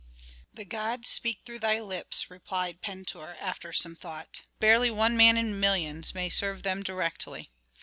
"The gods speak through thy lips," replied Pentuer, after some thought, "but barely one man in millions may serve them directly.